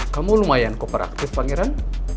kamu lumayan kooperatif pangeran